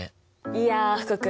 いや福君